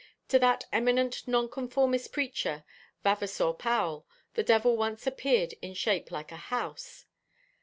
To that eminent nonconformist preacher, Vavasor Powell, the devil once appeared in shape like a house.